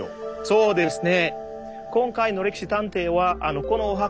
そうですね。